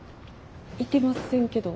いてませんけど。